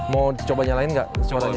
mau coba nyalain nggak suaranya